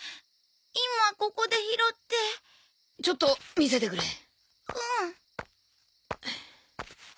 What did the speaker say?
今ここで拾ってちょっと見せてくれうん